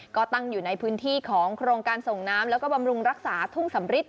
ก็ตั้งอยู่ในพื้นที่ของโครงการส่งน้ำแล้วก็บำรุงรักษาทุ่งสำริท